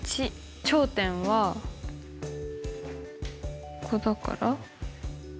頂点はここだから。